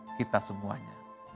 dan memperhatikan semuanya